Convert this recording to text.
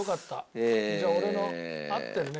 じゃあ俺の合ってるね。